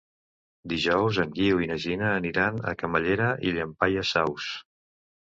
Dijous en Guiu i na Gina aniran a Camallera i Llampaies Saus.